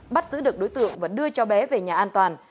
bắt giữ được đối tượng và đưa cháu bé về nhà an toàn